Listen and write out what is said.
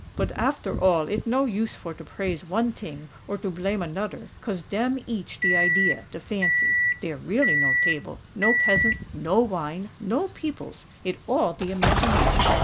"But after all it no use for to praise one ting or to blame anoder—'cause dem each de idea—de fancy. Dere really no table—no peasant—no wine—no peoples: it all de imagination."